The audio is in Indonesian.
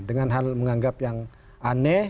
dengan hal menganggap yang aneh